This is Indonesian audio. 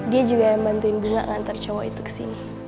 dia juga yang bantuin bunga ngantar cowok itu kesini